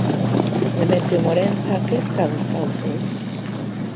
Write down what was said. Demetrio Morenza, que estragos causou?